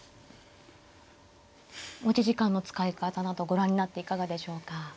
持ち時間の使い方などご覧になっていかがでしょうか。